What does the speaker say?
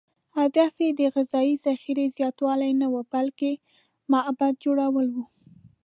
هدف یې د غذایي ذخیرې زیاتوالی نه و، بلکې معبد جوړول و.